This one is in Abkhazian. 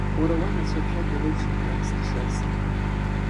Уара уан ацәыршәага илеиԥшым ҳара ҳзыхшаз.